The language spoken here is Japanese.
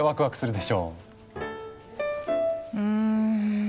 うん。